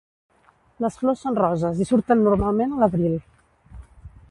Les flors són roses i surten normalment a l'abril.